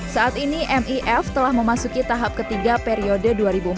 saat ini mif telah memasuki tahap ketiga periode dua ribu empat belas dua ribu